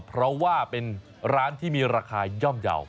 เพราะว่าเป็นร้านที่มีราคาย่อมเยาว์